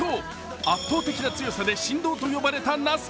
圧倒的な強さで神童と呼ばれた那須川。